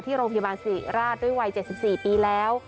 โรงพยาบาลสิริราชด้วยวัย๗๔ปีแล้ว